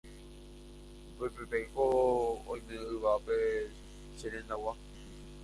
upépeko oime yvápe che rendag̃ua.